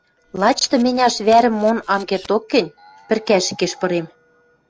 Лач тыменяш вӓрӹм мон ам кердок гӹнь, пӹркӓшӹкеш пырем.